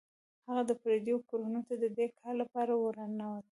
هغه د پردیو کورونو ته د دې کار لپاره ورنوت.